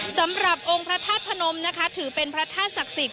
สำหรับองค์พระธาตุพนมนะคะถือเป็นพระธาตุศักดิ์สิทธิ